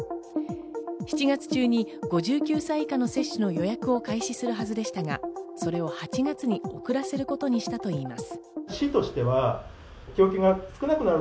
７月中に５９歳以下の接種を予約開始するはずでしたが、それを８月に遅らせることにしたといいます。